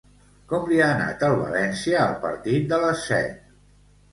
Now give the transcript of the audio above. Com li ha anat al València el partit de les set?